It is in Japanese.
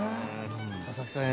佐々木さん